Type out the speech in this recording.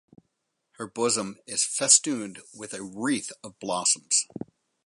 Her bosom is festooned with a wreath of blossoms.